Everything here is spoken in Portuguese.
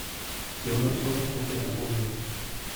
Eu não estou mais procurando por mim.